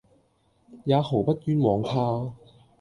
也毫不寃枉他。